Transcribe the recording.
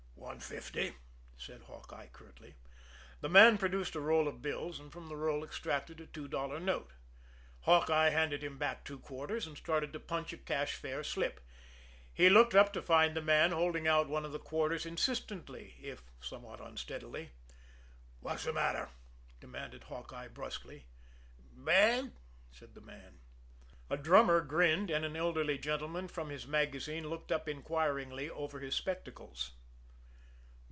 "One fifty," said Hawkeye curtly. The man produced a roll of bills, and from the roll extracted a two dollar note. Hawkeye handed him back two quarters, and started to punch a cash fare slip. He looked up to find the man holding out one of the quarters insistently, if somewhat unsteadily. "What's the matter?" demanded Hawkeye brusquely. "Bad," said the man. A drummer grinned; and an elderly gentleman, from his magazine, looked up inquiringly over his spectacles.